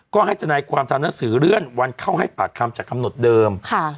ก็ให้ทนายความทำหนังสือเลื่อนวันเข้าให้ปากคำจากกำหนดเดิม